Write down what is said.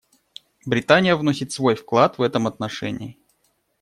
Британия вносит свой вклад в этом отношении.